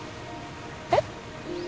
えっ？